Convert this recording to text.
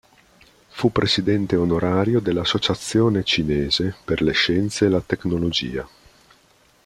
Fu presidente onorario dell'Associazione cinese per le scienze e la tecnologia.